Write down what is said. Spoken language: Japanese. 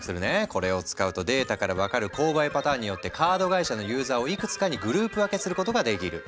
これを使うとデータから分かる購買パターンによってカード会社のユーザーをいくつかにグループ分けすることができる。